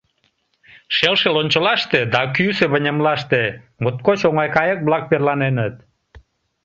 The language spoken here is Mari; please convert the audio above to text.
Шелше лончылаште да кӱысӧ вынемлаште моткоч оҥай кайык-влак верланеныт.